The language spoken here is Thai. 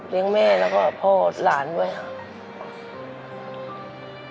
เลี้ยงแม่แล้วก็พ่อหลานด้วยครับ